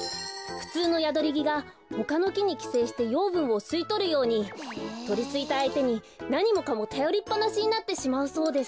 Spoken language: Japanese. ふつうのヤドリギがほかのきにきせいしてようぶんをすいとるようにとりついたあいてになにもかもたよりっぱなしになってしまうそうです。